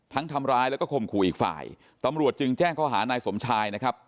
ทำร้ายแล้วก็ข่มขู่อีกฝ่ายตำรวจจึงแจ้งข้อหานายสมชายนะครับ